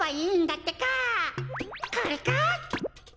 これか！